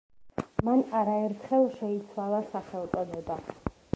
მან არაერთხელ შეიცვალა სახელწოდება.